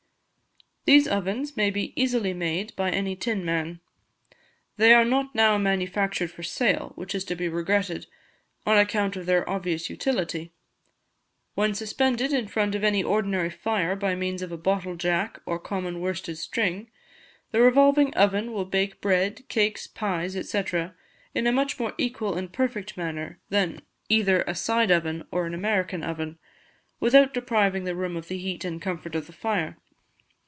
These ovens may be easily made by any tin man. They are not now manufactured for sale, which is to be regretted, on account of their obvious utility. When suspended in front of any ordinary fire by means of a bottle jack or a common worsted string, the Revolving Oven will bake bread, cakes, pies, &c., in a much more equal and perfect manner than either a side oven or an American oven, without depriving the room of the heat and comfort of the fire.